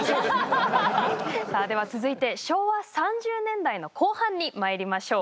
さあでは続いて昭和３０年代の後半にまいりましょう。